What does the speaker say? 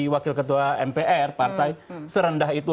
wakil ketua mpr partai serendah itu